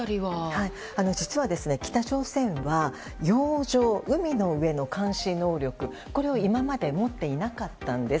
実は北朝鮮は、洋上海の上の監視能力を今まで持っていなかったんです。